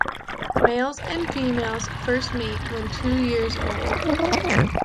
Males and females first mate when two years old.